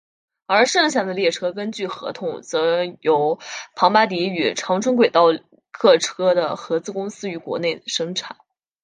而剩下的列车根据合同则由庞巴迪与长春轨道客车的合资公司于国内生产。